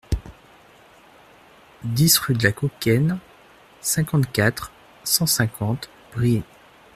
dix rue de la Kaukenne, cinquante-quatre, cent cinquante, Briey